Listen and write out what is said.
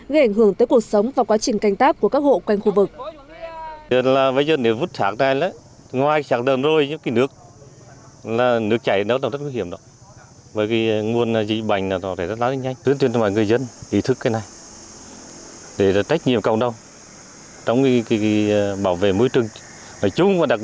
gây ảnh hưởng tới cuộc sống và quá trình canh tác của các hộ quanh khu vực